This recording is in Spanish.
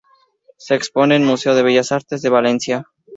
Se expone en Museo de Bellas Artes de Valencia.